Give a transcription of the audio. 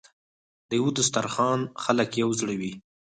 د یو دسترخان خلک یو زړه وي.